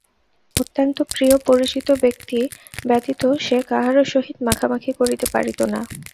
অত্যন্ত প্রিয় পরিচিত ব্যক্তি ব্যতীত সে কাহারো সহিত মাখামাখি করিতে পারিত না।